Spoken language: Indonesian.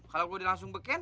kalau gue udah langsung beken